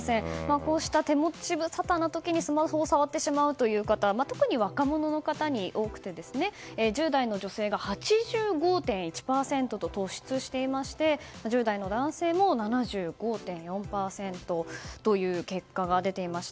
こうした手持無沙汰の時にスマホを触ってしまうという方特に若者の方に多くて、１０代の女性が８５．１％と突出していまして１０代の男性も７５．４％という結果が出ていました。